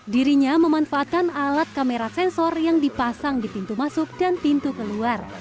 dirinya memanfaatkan alat kamera sensor yang dipasang di pintu masuk dan pintu keluar